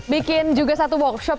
bikin juga satu workshop